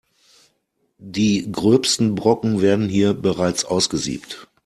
Die gröbsten Brocken werden hier bereits ausgesiebt.